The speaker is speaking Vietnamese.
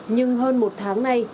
nhưng hơn một tháng ngày